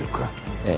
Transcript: ええ。